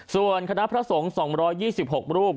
ส่วนคณะพระสงฆ์๒๒๖รูป